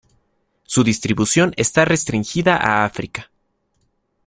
Su distribución está restringida a África.